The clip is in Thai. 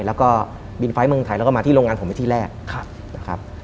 แล้วก็บินไฟล์เมืองไทยแล้วก็มาที่โรงงานผมเป็นที่แรกนะครับ